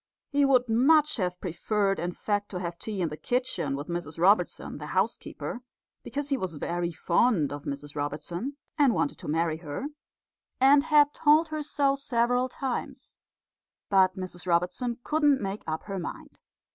He would much have preferred, in fact, to have tea in the kitchen with Mrs Robertson, the housekeeper, because he was very fond of Mrs Robertson, and wanted to marry her, and had told her so several times. But Mrs Robertson couldn't make up her mind.